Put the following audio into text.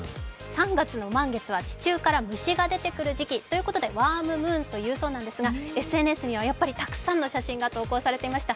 ３月の満月は地中から虫が出てくるということでワームムーンと言うそうなんですがＳＮＳにはたくさんの写真が投稿されていました。